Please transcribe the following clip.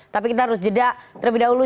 tapi kita harus jeda terlebih dahulu